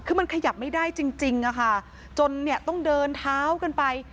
คือมันขยับไม่ได้จริงอะค่ะจนเนี่ยต้องเดินเท้ากันไป